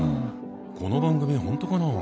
この番組本当かな？